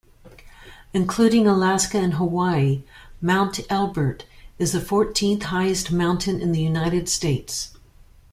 Including Alaska and Hawaii, Mount Elbert is the fourteenth-highest mountain in the United States.